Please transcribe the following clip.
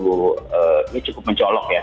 ini cukup mencolok ya